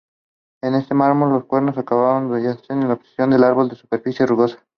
En este mármol los cuerpo acabados yacen en oposición al árbol de superficie rugosa.